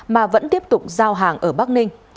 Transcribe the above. mà vẫn tiếp tục giao hàng ở bắc ninh